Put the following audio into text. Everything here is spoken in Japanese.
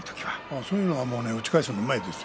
そういうのを打ち返すのはうまいですよ。